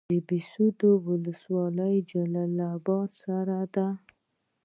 د بهسودو ولسوالۍ جلال اباد سره ده